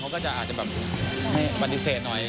เขาก็จะอาจจะแบบไม่ปฏิเสธหน่อย